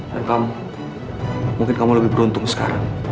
dan kamu mungkin kamu lebih beruntung sekarang